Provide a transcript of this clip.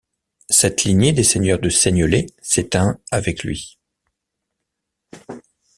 Cette lignée des seigneurs de Seignelay s'éteint avec lui.